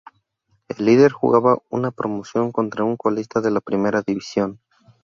El líder jugaba una promoción contra un colista de la primera división.